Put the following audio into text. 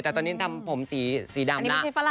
แต่ตอนนี้ทำผมสีดำแล้ว